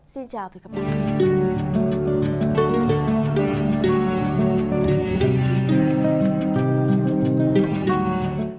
xin chào và hẹn gặp lại